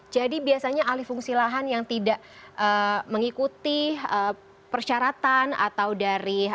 jadi biasanya alih fungsi lahan yang tidak mengikuti persyaratan atau dari